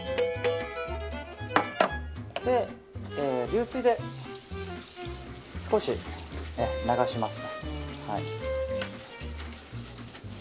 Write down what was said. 流水で少し流します。